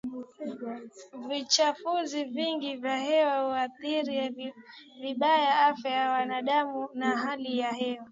Vichafuzi vingi vya hewa huathiri vibaya afya ya wanadamu na hali ya hewa